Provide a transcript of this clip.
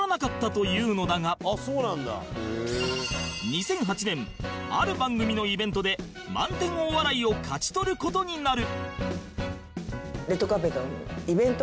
２００８年ある番組のイベントで「満点大笑い」を勝ち取る事になる